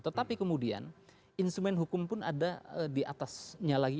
tetapi kemudian instrumen hukum pun ada di atasnya lagi